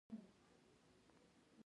د وائی فای سیګنال د خنډونو له امله کمېږي.